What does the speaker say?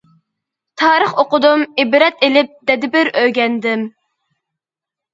تارىخ ئوقۇدۇم، ئىبرەت ئېلىپ تەدبىر ئۆگەندىم.